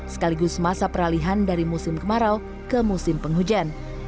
sekaligus masa peralihan dari musim kemarau ke musim penghujan